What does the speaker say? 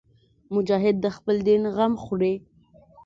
مجاهد د خپل دین غم خوري.